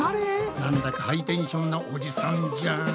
なんだかハイテンションなおじさんじゃん。